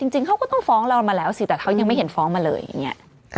จริงเขาก็ต้องฟ้องเรามาแล้วสิแต่เขายังไม่เห็นฟ้องมาเลยอย่างนี้